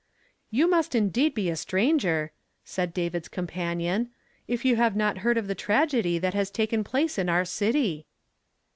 " You must indeed be a stranger, " said David's companion, " if you have not heard of the tragedy that has taken place in our city!"